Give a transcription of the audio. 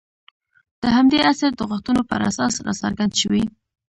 د همدې عصر د غوښتنو پر اساس راڅرګند شوي.